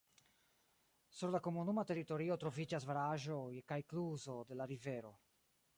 Sur la komunuma teritorio troviĝas baraĵo kaj kluzo de la rivero.